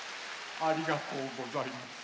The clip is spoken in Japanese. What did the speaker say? ありがとうございます。